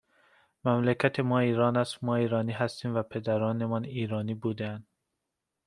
مملکت ما ایران است، ما ایرانی هستیم و پدرانمان ایرانی بودهاند